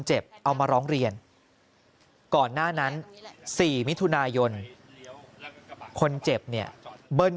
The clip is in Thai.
เอามาร้องเรียนก่อนหน้านั้น๔มิถุนายนคนเจ็บเนี่ยเบิ้ล